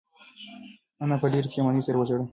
انا په ډېرې پښېمانۍ سره وژړل.